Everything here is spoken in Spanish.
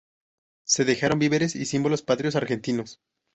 Se dejaron víveres y símbolos patrios argentinos.